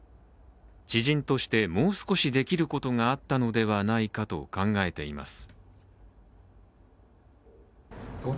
知人としてもう少しできることがあったのではないかと考えています。